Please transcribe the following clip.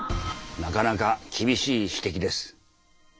なかなか厳しい指摘です。